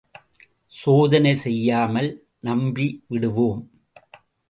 சோதனை செய்யாமல் நம்பி விடுவோம்!